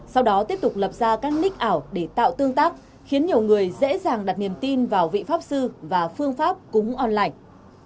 sau đó tiếp tục lập ra các nick ảo để tạo tương tác khiến nhiều người dễ dàng đặt niềm tin vào vị pháp sư và phương pháp cúng on lạnh